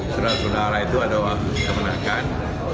surat saudara itu ada waktu saya menangkan